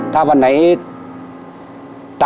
ถ้าวันไหนมีตังค์เยอะหน่อยก็เรียกสามล้อไปส่งครับ